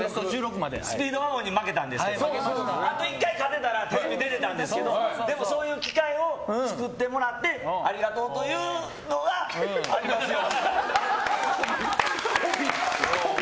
スピードワゴンに負けたんですけどあと１回勝てたらテレビ出れたんですけどでもそういう機会を作ってもらってありがとうというのがありますよ。